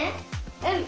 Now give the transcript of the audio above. うん！